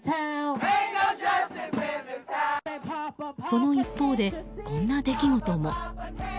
その一方で、こんな出来事も。